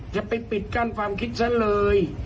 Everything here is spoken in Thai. จะไปปิดกั้นความคิดฉันเลย